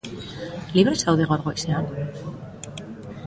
Libre zaude gaur goizean?